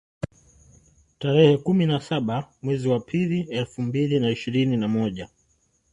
Tarehe kumi na saba mwezi wa pili elfu mbili na ishirini na moja